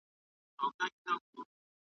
کتاب مي په المارۍ کي کېښود.